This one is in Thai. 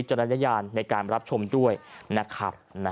รณญาณในการรับชมด้วยนะครับ